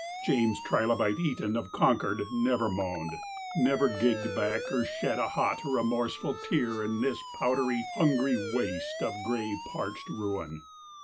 James Trilobite Eton of Concord never moaned, never gigged back or shed a hot, remorseful tear in this powdery, hungry waste of gray, parched ruin.